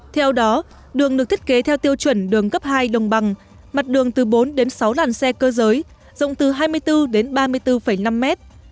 theo đó đường được thiết kế theo tiêu chuẩn đường cấp hai đồng bằng mặt đường từ bốn đến sáu làn xe cơ giới rộng từ hai mươi bốn đến ba mươi bốn năm mét